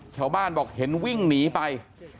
ชาวบ้านบอกเห็นวิ่งหนีไป